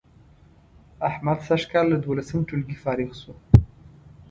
احمد سږ کال له دولسم ټولگي فارغ شو